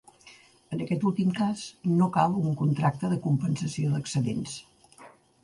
En aquest últim cas, no cal un contracte de compensació d'excedents.